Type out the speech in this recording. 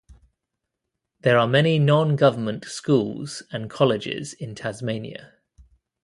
There are many non-government schools and colleges in Tasmania.